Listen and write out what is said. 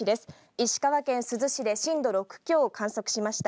石川県珠洲市で震度６強を観測しました。